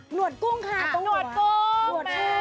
หนวดกุ้งค้าตรงหัว